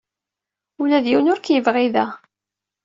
Ula d yiwen ur k-yebɣi da.